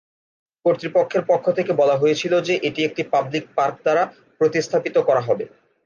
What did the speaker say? কর্তৃপক্ষের পক্ষ থেকে বলা হয়েছিল যে এটি একটি পাবলিক পার্ক দ্বারা প্রতিস্থাপিত করা হবে।